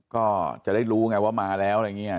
ก็จะได้รู้ไงว่ามาแล้วอะไรอย่างนี้